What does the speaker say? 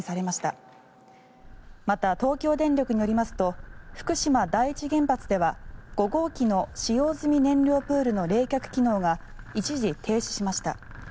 また、東京電力によりますと福島第一原発では５号機の使用済み燃料プールの冷却機能が一時停止しました。